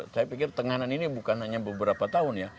saya pikir tenganan ini bukan hanya beberapa tahun ya